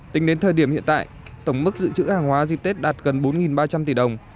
tính đến thời điểm hiện tại tổng mức dự trữ hàng hóa dịp tết đạt gần bốn ba trăm linh tỷ đồng